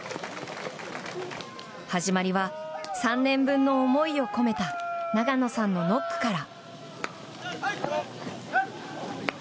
始まりは３年分の思いを込めた永野さんのノックから。